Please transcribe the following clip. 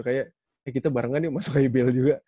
kayak kita barengan ya masuk ibl juga